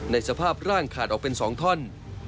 สภาพร่างขาดออกเป็น๒ท่อน